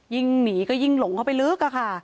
ยิ่งหนีก็ยิ่งหลงเข้าไปลึกอะค่ะ